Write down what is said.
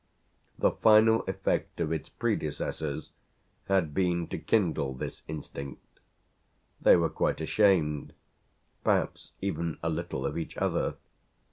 The final effect of its predecessors had been to kindle this instinct. They were quite ashamed perhaps even a little of each other.